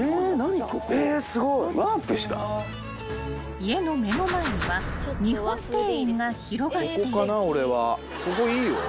［家の目の前には日本庭園が広がっている］